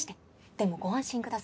でもご安心ください。